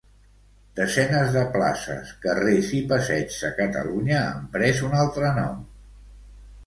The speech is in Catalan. Desenes de places, carrers i passeigs a Catalunya han pres un altre nom.